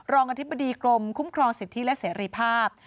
รองอธิบดีกลมคุ้มครองเสพที่และเสร็จภาพ